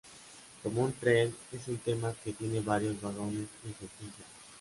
Como un tren, es un tema que tiene varios vagones en su extensión.